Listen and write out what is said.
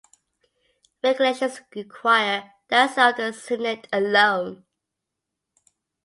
Regulations require the assent of the Senate alone.